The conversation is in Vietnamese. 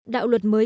đạo luật mới